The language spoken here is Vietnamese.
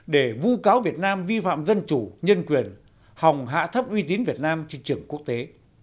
để vu cáo việt nam vi phạm dân chủ nhân quyền hòng hạ thấp uy tín việt nam trên trường quốc tế